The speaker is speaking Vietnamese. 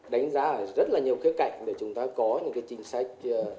đánh giá rất là nhiều khía cạnh để chúng ta có những cái chính sách